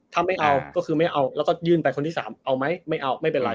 ถ้าไม่เอาก็คือไม่เอาแล้วก็ยื่นไปคนที่สามเอาไหมไม่เอาไม่เป็นไร